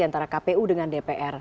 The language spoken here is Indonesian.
antara kpu dengan dpr